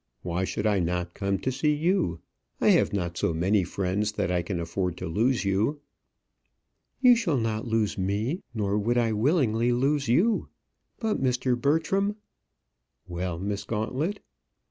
Why should I not come to see you? I have not so many friends that I can afford to lose you." "You shall not lose me, nor would I willingly lose you. But, Mr. Bertram " "Well, Miss Gauntlet?"